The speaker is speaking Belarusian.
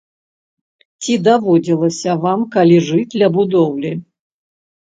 Ці даводзілася вам калі жыць ля будоўлі?